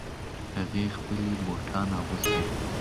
هغې خپلې بوټان اغوستې